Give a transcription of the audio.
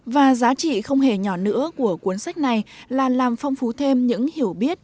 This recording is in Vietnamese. và giá trị không hề nhỏ nữa của cuốn sách này là làm phong phú thêm những hiểu biết